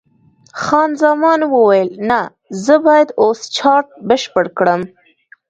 خان زمان وویل: نه، زه باید اوس چارټ بشپړ کړم.